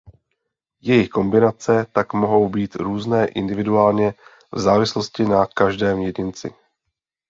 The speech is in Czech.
Jejich kombinace tak mohou být různé individuálně v závislosti na každém jedinci.